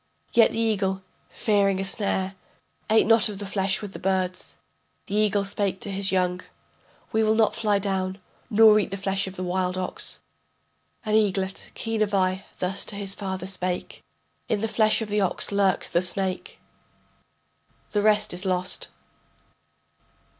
Yet the eagle, fearing a snare, ate not of the flesh with the birds. The eagle spake to his young: We will not fly down, nor eat of the flesh of the wild ox. An eaglet, keen of eye, thus to his father spake: In the flesh of the ox lurks the snake [The rest is lost.